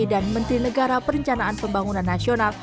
dan menteri negara perencanaan pembangunan nasional